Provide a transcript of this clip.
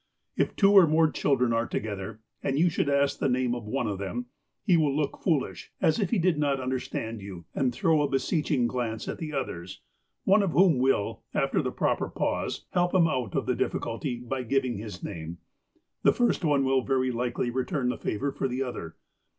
If two or more children are together, and you should ask the name of one of them, he will look foolish, as if he did not understand you, and then throw a beseeching glance at the others, one of whom will, after the proper pause, helx^ him out of the difiiculty by giving his name. The first one will very likely return the favour for the other.